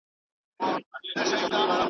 بله ورځ چي صحرايي راغی بازار ته.